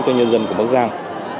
cho nhân dân của bác giang